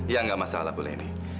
ya nggak masalah bu leni